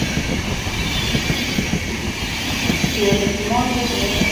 Kiwele robo moja au zaidi kuvimba kuwa kigumu na moto kikishikwa kinaweza kugeuka chekundu